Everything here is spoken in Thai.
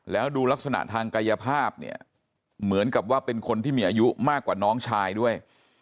แล้วดูลักษณะทางกายภาพเนี่ยเหมือนกับว่าเป็นคนที่มีอายุมากกว่าน้องชายด้วย